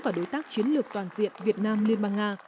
và đối tác chiến lược toàn diện việt nam liên bang nga